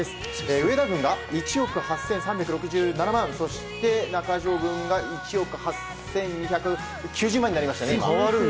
上田軍が１億８３６７万そして中条軍が今、１億８２９０万になりました。